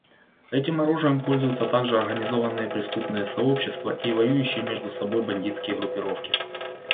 Этим оружием пользуются также организованные преступные сообщества и воюющие между собой бандитские группировки.